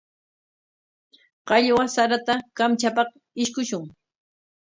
Qallwa sarata kamchapaq ishkushun.